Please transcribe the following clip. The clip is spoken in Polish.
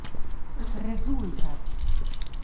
Rezultat